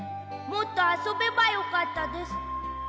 もっとあそべばよかったです。